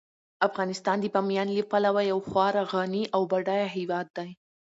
افغانستان د بامیان له پلوه یو خورا غني او بډایه هیواد دی.